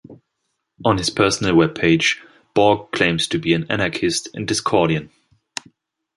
On his personal webpage, Borg claims to be an anarchist and Discordian.